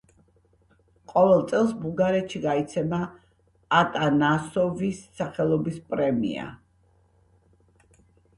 ყოველ წელს, ბულგარეთში გაიცემა ატანასოვის სახელობის პრემია.